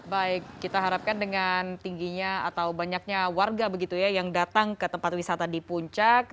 baik kita harapkan dengan tingginya atau banyaknya warga begitu ya yang datang ke tempat wisata di puncak